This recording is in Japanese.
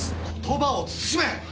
言葉を慎め！